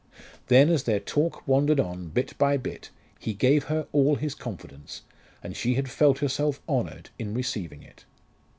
Then, as their talk wandered on, bit by bit, he gave her all his confidence, and she had felt herself honoured in receiving it.